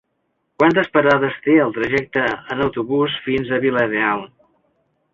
Quantes parades té el trajecte en autobús fins a Vila-real?